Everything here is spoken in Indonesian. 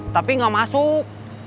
tapi nggak masuk